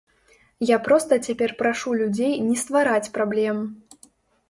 Я проста цяпер прашу людзей не ствараць праблем.